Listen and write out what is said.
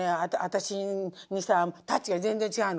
私にさタッチが全然違うの。